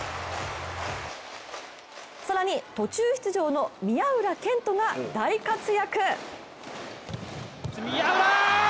更に途中出場の宮浦健人が大活躍。